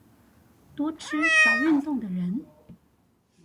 多吃少運動的人